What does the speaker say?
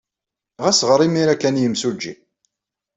Ɣas ɣer imir-a kan i yemsujji.